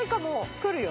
来るよ。